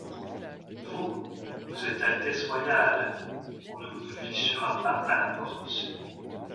Vous, vous êtes Altesse Royale, on ne vous fichera pas à la porte !